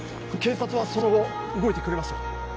警察はその後動いてくれましたか？